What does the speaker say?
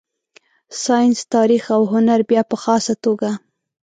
ساینس، تاریخ او هنر بیا په خاصه توګه.